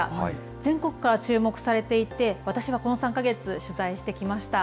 全国から注目されていて、私はこの３か月、取材してきました。